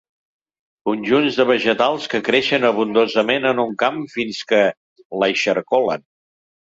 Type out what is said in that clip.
Conjunts de vegetals que creixen abundosament en un camp fins que l'eixarcolen.